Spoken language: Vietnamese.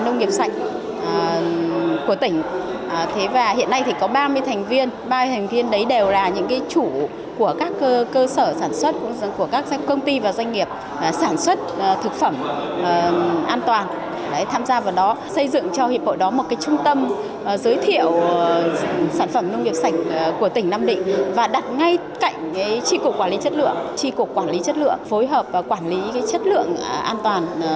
ngay cạnh tri cục quản lý chất lượng tri cục quản lý chất lượng phối hợp và quản lý chất lượng an toàn